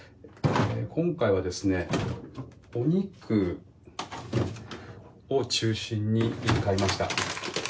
今回はお肉を中心に買いました。